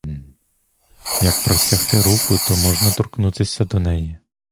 Як простягти руку, то можна торкнутися до неї.